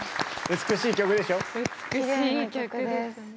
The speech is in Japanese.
美しい曲ですね。